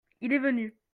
il est venu.